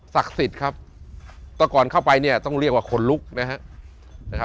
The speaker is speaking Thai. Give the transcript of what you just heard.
ศักดิ์ศิษย์ครับเพราะก่อนเข้าไปเนี้ยต้องเรียกว่าคนลุกนะฮะ